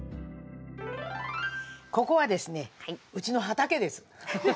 ここはですねうちの畑です。